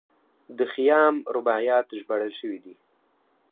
د خیام رباعیات ژباړل شوي دي.